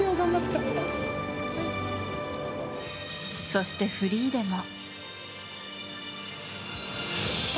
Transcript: そしてフリーでも。